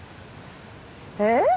えっ！？